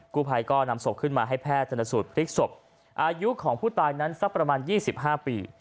กู้ภัยก็นำศพขึ้นมาให้แพทย์ชนสูตรพลิกศพอายุของผู้ตายนั้นสักประมาณ๒๕ปี